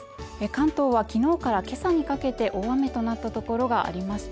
関東は昨日から今朝にかけて大雨となったところがありました